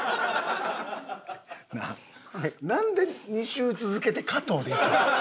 なあなんで２週続けて加藤でいくの？